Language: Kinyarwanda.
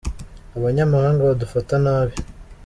Abanyamahanga badufata nabi.